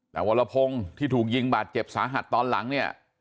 แต่วรพงศ์ที่ถูกยิงบาดเจ็บสาหัสตอนหลังเนี่ย